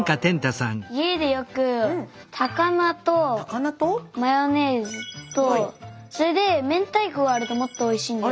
家で焼く高菜とマヨネーズとそれで明太子があるともっとおいしいんです。